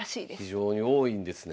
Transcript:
非常に多いんですね。